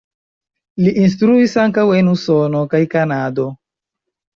Li instruis ankaŭ en Usono kaj Kanado.